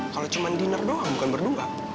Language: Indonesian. kalau cuma dinner doang bukan berdua